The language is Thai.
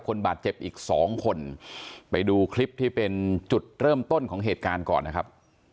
คนบาดเจ็บอีกสองคนไปดูคลิปที่เป็นจุดเริ่มต้นของเหตุการณ์ก่อนนะครับ